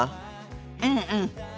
うんうん。